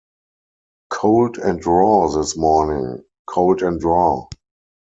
Cold and raw this morning, cold and raw!